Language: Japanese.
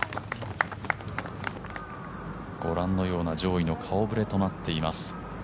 ご覧のような上位の顔ぶれとなっています。